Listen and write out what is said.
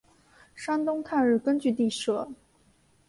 山东抗日根据地设。